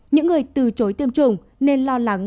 những người từ chối tiêm chủng nên lo lắng